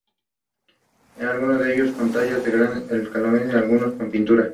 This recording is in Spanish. Algunos de ellos, con tallas de gran elaboración y algunos con pinturas.